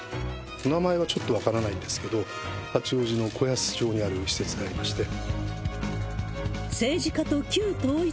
名前はちょっと分からないんですけれども、八王子の子安町にある施設でありまして。